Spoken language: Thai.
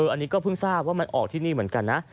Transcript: อันนี้ก็เพิ่งทราบว่ามันออกที่นี่เหมือนกันนะ